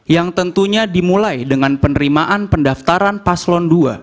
yang tentunya dimulai dengan penerimaan pendaftaran paslon dua